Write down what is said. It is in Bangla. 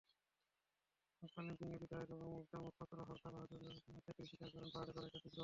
কালিম্পংয়ের বিধায়ক এবং মোর্চার মুখপাত্র হরকাবাহাদুর ছেত্রী স্বীকার করেন, পাহাড়ে লড়াইটা তীব্র হচ্ছে।